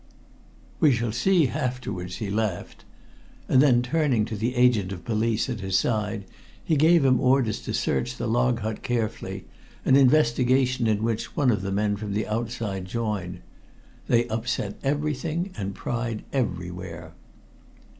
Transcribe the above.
"We shall see afterwards," he laughed. And then, turning to the agent of police at his side, he gave him orders to search the log hut carefully, an investigation in which one of the men from the outside joined. They upset everything and pried everywhere.